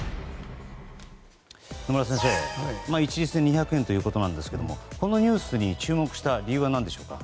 野村先生、一律で２００円ということですけどもこのニュースに注目した理由は何でしょうか？